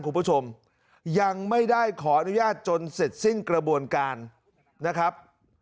คุณผู้ชมยังไม่ได้ขออนุญาตจนเสร็จสิ้นกระบวนการนะครับ